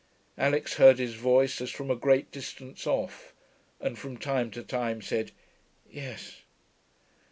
Alix heard his voice as from a great distance off, and from time to time said 'Yes.'